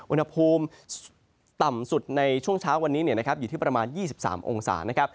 อุณหภูมิต่ำสุดในช่วงเช้าวันนี้อยู่ที่ประมาณ๒๓องศานะครับ